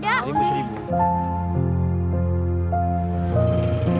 dari ibu dari ibu